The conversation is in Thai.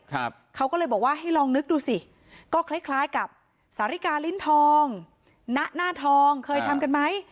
ครับเขาก็เลยบอกว่าให้ลองนึกดูสิก็คล้ายคล้ายกับสาริกาลิ้นทองณหน้าทองเคยทำกันไหม